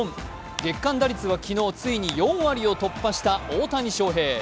月間打率は昨日ついに４割を突破した大谷翔平。